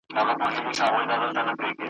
ځان یې دروند سو لکه کاڼی په اوبو کي ,